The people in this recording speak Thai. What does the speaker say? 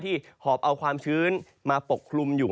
หอบเอาความชื้นมาปกคลุมอยู่